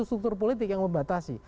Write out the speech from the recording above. ada satu struktur politik yang membatasi